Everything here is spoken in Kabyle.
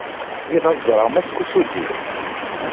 Riɣ ad ẓreɣ Mass Kosugi.